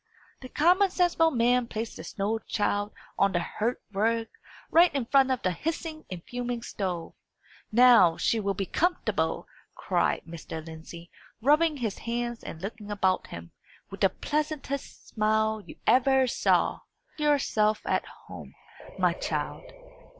The common sensible man placed the snow child on the hearth rug, right in front of the hissing and fuming stove. "Now she will be comfortable!" cried Mr. Lindsey, rubbing his hands and looking about him, with the pleasantest smile you ever saw. "Make yourself at home, my child."